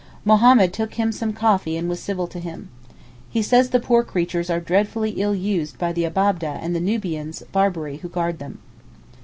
Mohammed took him some coffee and was civil to him. He says the poor creatures are dreadfully ill used by the Abab'deh and the Nubians (Berberi) who guard them.